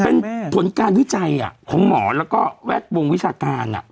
เป็นผลการวิจัยของหมอแล้วก็แวดวงวิชาการ